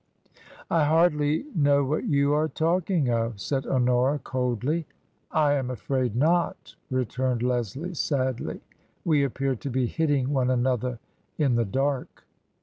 " I hardly know what you are talking of," said Honora, coldly. " I am afraid not," returned Leslie, sadly ;" we appear to be hitting one another in the dark."